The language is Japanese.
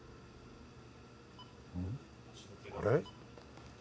あれ？